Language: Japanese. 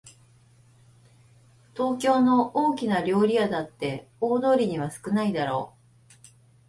東京の大きな料理屋だって大通りには少ないだろう